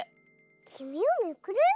「きみをめくれ」？